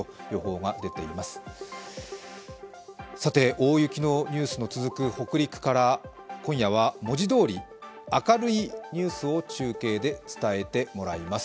大雪のニュースの続く北陸から今夜は文字どおり明るいニュースを中継で伝えてもらいます。